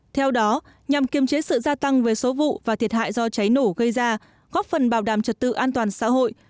theo đó nhằm kiềm chế sự gia tăng về số vụ và thiệt hại do cháy nổ gây ra góp phần bảo đảm trật tự an toàn xã hội